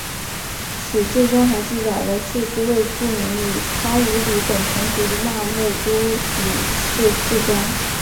史籍中还记载了数支未注明与康武理等同族的那木都鲁氏世家。